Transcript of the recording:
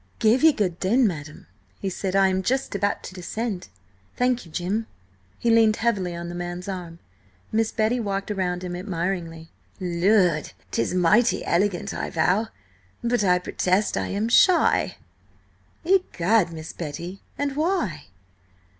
"Give ye good den, madam," he said. "I am just about to descend. Thank you, Jim." He leaned heavily on the man's arm. Miss Betty walked round him admiringly. "Lud! 'Tis mighty elegant, I vow! But I protest, I am shy!" "Egad, Miss Betty! and why?"